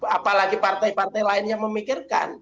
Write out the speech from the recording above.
apalagi partai partai lain yang memikirkan